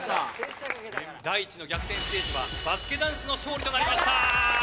第１の逆転ステージはバスケ男子の勝利となりました。